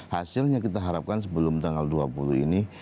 hasilnya kita harapkan sebelum tanggal dua puluh ini